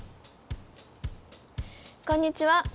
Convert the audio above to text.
こんにちは。